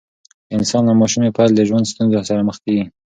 انسان له ماشومۍ پیل د ژوند ستونزو سره مخ کیږي.